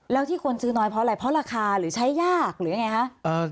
แล้วที่คนซื้อน้อยเพราะอะไรเพราะราคาหรือใช้ยากหรือยังไงคะ